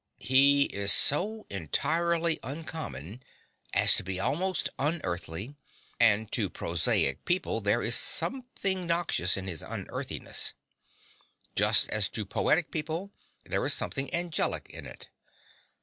He is so entirely uncommon as to be almost unearthly; and to prosaic people there is something noxious in this unearthliness, just as to poetic people there is something angelic in it.